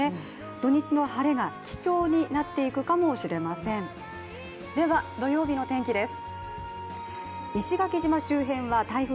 土日の晴れが貴重になっていくかもしれませんでは土曜日の天気です。